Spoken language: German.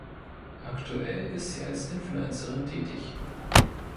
Aktuell ist sie als Influencerin tätig.